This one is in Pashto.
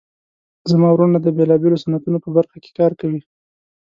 زما وروڼه د بیلابیلو صنعتونو په برخه کې کار کوي